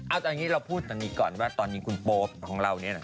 เอาตอนนี้เราพูดตอนนี้ก่อนว่าตอนนี้คุณโป๊ปของเราเนี่ย